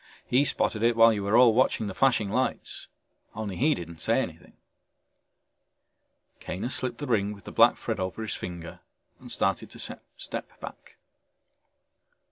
"He spotted it while you were all watching the flashing lights, only he didn't say anything." Kaner slipped the ring with the black thread over his finger and started to step back.